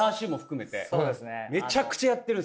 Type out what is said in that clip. めちゃくちゃやってるんですよ